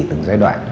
từng giai đoạn